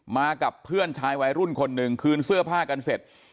มากับเพื่อนชายวัยรุ่นคนหนึ่งคืนเสื้อผ้ากันเสร็จ